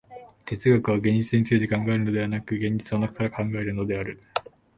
哲学は現実について考えるのでなく、現実の中から考えるのである。